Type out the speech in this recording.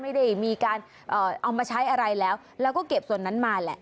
ไม่ได้มีการเอามาใช้อะไรแล้วแล้วก็เก็บส่วนนั้นมาแหละ